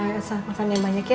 masa makan yang banyak ya